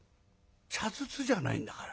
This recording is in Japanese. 茶筒じゃないんだから。